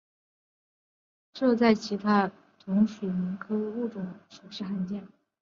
这在其他同属蠓科的物种当中实属罕见。